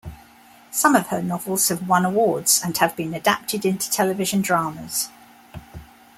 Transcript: Some of her novels have won awards and have been adapted into television dramas.